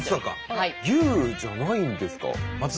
牛じゃないんですか？